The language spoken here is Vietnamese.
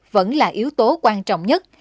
vẫn là yếu tố quan trọng nhất